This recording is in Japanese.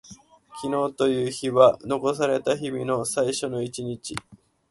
今日という日は残された日々の最初の一日。